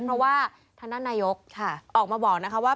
เพราะว่าท่านนัทนายุกออกมาบอกว่า